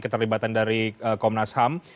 keterlibatan dari komnas ham